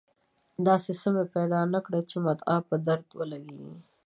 داسې څه مې پیدا نه کړل چې د مدعا په درد ولګېږي.